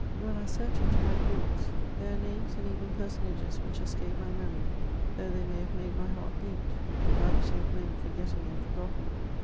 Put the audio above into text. When I search into my thoughts, there are names and even personages which escape my memory, though they may have made my heart beat : vanity of men forgetting and forgotten